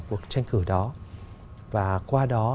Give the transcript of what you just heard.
cuộc tranh cử đó và qua đó